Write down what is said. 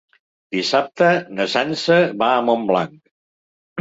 Dissabte na Sança va a Montblanc.